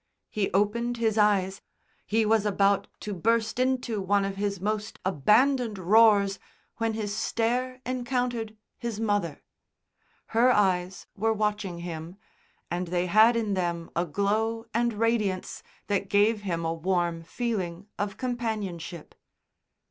He opened his eyes, he was about to burst into one of his most abandoned roars when his stare encountered his mother. Her eyes were watching him, and they had in them a glow and radiance that gave him a warm feeling of companionship.